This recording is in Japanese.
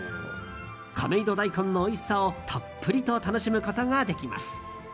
亀戸大根のおいしさをたっぷりと楽しむことができます。